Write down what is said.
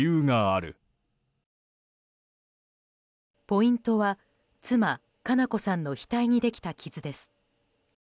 ポイントは妻・佳菜子さんの額にできた傷です。